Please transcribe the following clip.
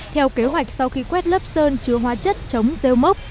theo kế hoạch sau khi quét lớp sơn chứa hóa chất chống rêu mốc